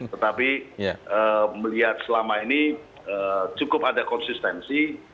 tetapi melihat selama ini cukup ada konsistensi